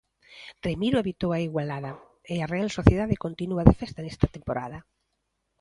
Remiro evitou a igualada e a Real Sociedade continúa de festa esta temporada.